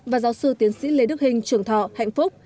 và giáo sư tiến sĩ lê đức hình trường thọ hạnh phúc